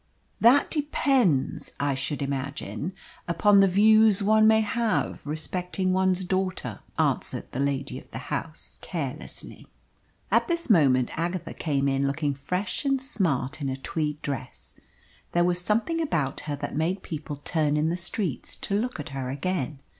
"That depends, I should imagine, upon the views one may have respecting one's daughter," answered the lady of the house carelessly. At this moment Agatha came in looking fresh and smart in a tweed dress. There was something about her that made people turn in the streets to look at her again.